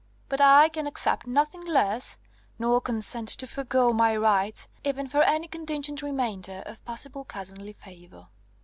But I can accept nothing less, nor consent to forgo my rights, even for any contingent remainder of possible cousinly favour!"